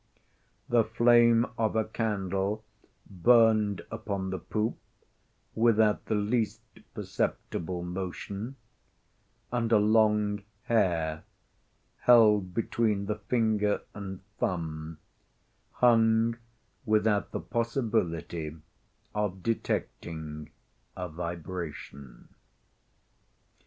The flame of a candle burned upon the poop without the least perceptible motion, and a long hair, held between the finger and thumb, hung without the possibility of detecting a vibration.